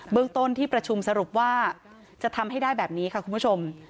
เรื่องต้นที่ประชุมสรุปว่าจะทำให้ได้แบบนี้ค่ะคุณผู้ชม